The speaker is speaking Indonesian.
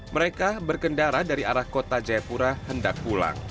mereka berkendara dari arah kota jayapura hendak pulang